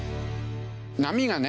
波がね